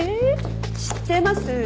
知ってます？